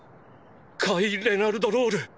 カイ・レナルド・ロウル⁉